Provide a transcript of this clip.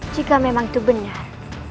jika memang itu benar